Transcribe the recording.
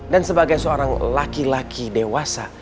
dan sebagai seorang laki laki dewasa